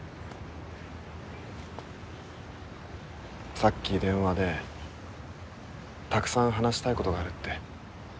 さっき電話でたくさん話したいことがあるって。